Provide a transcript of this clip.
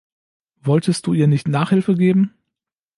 Wolltest du ihr nicht Nachhilfe geben?